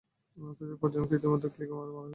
তোদের পাচ জনকে ইতি মধ্যে ক্লিকে মারা হয়েছে।